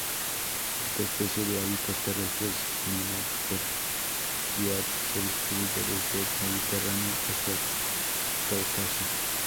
Esta especie de hábitos terrestres, monopodial se distribuye desde el Mediterráneo, hasta el Cáucaso.